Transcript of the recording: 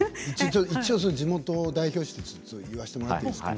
地元を代表して言わしてもらっていいですか。